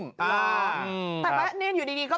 การนอนไม่จำเป็นต้องมีอะไรกัน